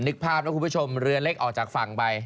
นึกภาพนะคุณผู้ชมเรือเล็กออกจากฝั่งไป